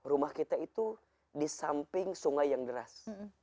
rumah kita itu di samping sungai yang deras